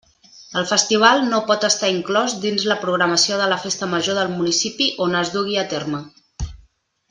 El festival no pot estar inclòs dins la programació de la festa major del municipi on es dugui a terme.